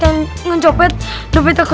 yang ngecopet dompet aku